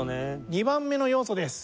２番目の要素です。